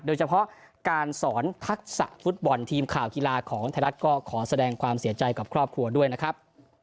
โดยเฉพาะการสอนทักษะฟุตบอลทีมข่าวกีฬาของไทยรัฐก็ขอแสดงความเสียใจกับครอบครัวด้วยนะครับ